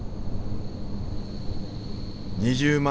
２０万